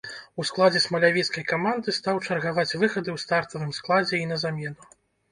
У складзе смалявіцкай каманды стаў чаргаваць выхады ў стартавым складзе і на замену.